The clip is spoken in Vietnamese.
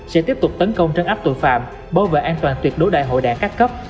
sẽ tiếp tục tấn công trân áp tội phạm bảo vệ an toàn tuyệt đối đại hội đảng các cấp